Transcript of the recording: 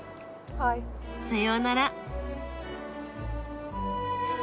さようなら。